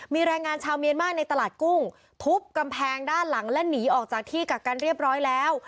มีแรงงานชาวเมียนมาร์ในตลาดกุ้งทุบกำแพงด้านหลังและหนีออกจากที่กักกันเรียบร้อยแล้ว